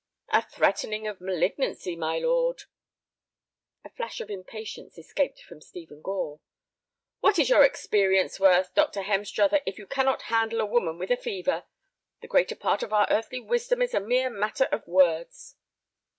"A threatening of malignancy, my lord." A flash of impatience escaped from Stephen Gore. "What is your experience worth, Dr. Hemstruther, if you cannot handle a woman with a fever? The greater part of our earthly wisdom is a mere matter of words."